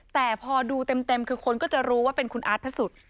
แต่พอดูเต็มคือคนก็จะรู้ว่าเป็นคุณอาร์ตพระสุทธิ์